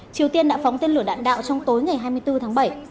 triều tiên đã phóng tên lửa đạn đạo trong tối ngày hai mươi bốn tháng bảy